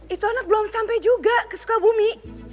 itu anak belum sampai juga ke sukabumi